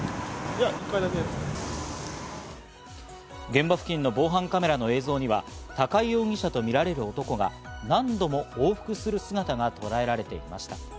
現場付近の防犯カメラの映像には高井容疑者とみられる男が何度も往復する姿がとらえられていました。